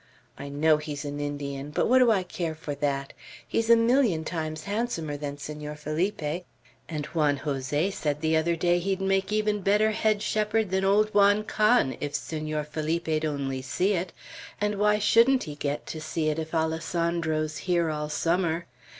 I know he's an Indian, but what do I care for that. He's a million times handsomer than Senor Felipe. And Juan Jose said the other day he'd make enough better head shepherd than old Juan Can, if Senor Felipe'd only see it; and why shouldn't he get to see it, if Alessandro's here all summer?"